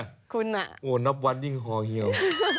แล้วนี่โอ้โฮนับวันยิ่งคอเฮียว